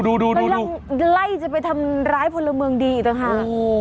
มันต้องไล่จะไปทำร้ายพลเมืองดีอีกต่างค่ะ